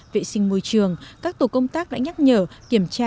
vệ sinh môi trường các tổ công tác đã nhắc nhở kiểm tra